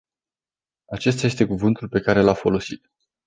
Acesta este cuvântul pe care l-a folosit.